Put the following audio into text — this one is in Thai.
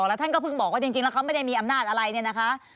แล้วท่านก็เพิ่งบอกว่าจริงแล้วเขาไม่ได้มีอำนาจอะไรเนี่ยนะคะ